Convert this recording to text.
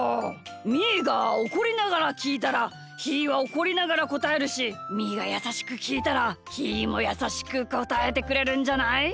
みーがおこりながらきいたらひーはおこりながらこたえるしみーがやさしくきいたらひーもやさしくこたえてくれるんじゃない？